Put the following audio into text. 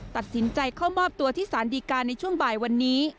ตัดสินใจเข้ามอบตัวที่สารดีการในช่วงบ่ายวันนี้